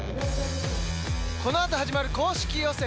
このあと始まる公式予選。